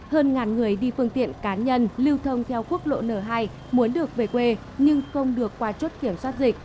hơn ngàn người đi phương tiện cá nhân lưu thông theo quốc lộ n hai muốn được về quê nhưng không được qua chốt kiểm soát dịch